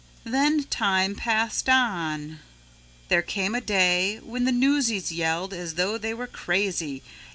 Then time passed on. There came a day when the newsies yelled as though they were crazy.